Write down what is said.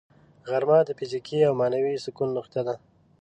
غرمه د فزیکي او معنوي سکون نقطه ده